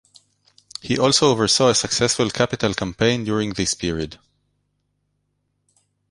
He also oversaw a successful capital campaign during this period.